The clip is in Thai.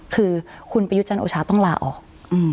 คือคุณปริยุจรรย์โอชายต้องลาออกอืม